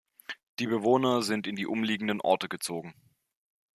Die Bewohner sind in die umliegenden Orte gezogen.